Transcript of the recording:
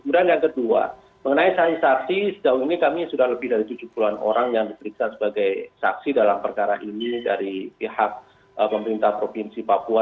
kemudian yang kedua mengenai saksi saksi sejauh ini kami sudah lebih dari tujuh puluh an orang yang diperiksa sebagai saksi dalam perkara ini dari pihak pemerintah provinsi papua